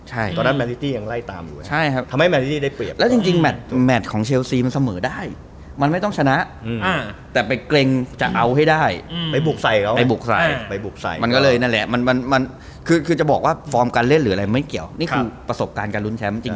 อเจมส์แล้วจริงแมทของเชลซีมันเสมอได้มันไม่ต้องชนะแต่ไปเกรงจะเอาให้ได้ไปบุกใส่เขามันก็เลยนั่นแหละคือจะบอกว่าฟอร์มการเล่นหรืออะไรไม่เกี่ยวนี่คือประสบการณ์การลุ้นแชมป์จริง